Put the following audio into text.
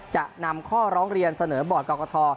จะนำข้อร้องเรียนเสนอบอร์ดกรกฐ